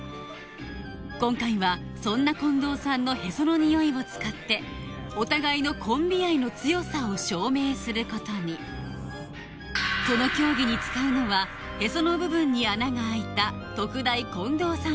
今回はそんな近藤さんのへそのニオイを使ってお互いのコンビ愛の強さを証明することにこの競技に使うのはへその部分に穴があいた特大近藤さん